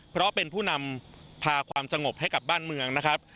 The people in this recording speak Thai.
เพราะเป็นผู้นำพาความสงบให้กับบ้านเมืองนะครับ